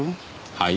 はい？